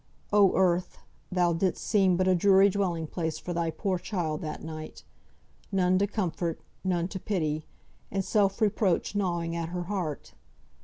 Oh, earth! thou didst seem but a dreary dwelling place for thy poor child that night. None to comfort, none to pity! And self reproach gnawing at her heart.